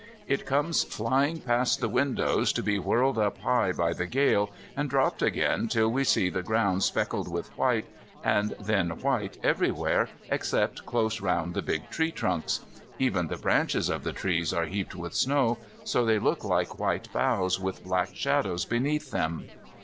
It comes flying past the windows, to be whirled up high by the gale and dropped again till we see the ground speckled with white, and then white everywhere except close round the big tree trunks. Even the branches of the trees are heaped with snow, so they look like white boughs with black shadows beneath them.